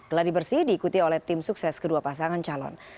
geladi bersih diikuti oleh tim sukses kedua pasangan calon